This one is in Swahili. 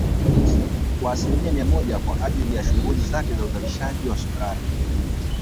kwa asilimia mia moja kwa ajili ya shughuli zake za uzalishaji wa sukari